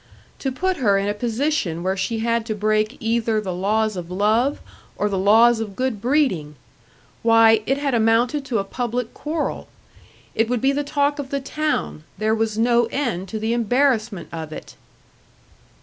To put her in a position where she had to break either the laws of love or the laws of good breeding! Why, it had amounted to a public quarrel. It would be the talk of the town there was no end to the embarrassment of it!